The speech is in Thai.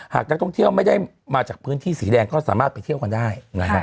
หากนักท่องเที่ยวไม่ได้มาจากพื้นที่สีแดงก็สามารถไปเที่ยวกันได้